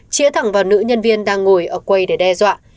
chĩa thẳng vào nữ nhân viên đang ngồi ở quầy để đe dọa